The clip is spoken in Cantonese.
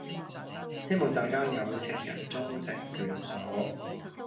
希望大家「有情人終成眷屬」